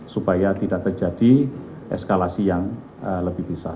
supaya tidak terjadi eskalasi yang lebih besar